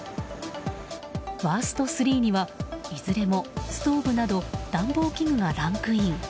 ワースト３にはいずれもストーブなど暖房器具がランクイン。